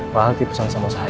mak al tidak pesan sama saya